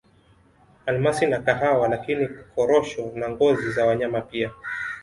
Almasi na kahawa lakini Korosho na ngozi za wanyama pia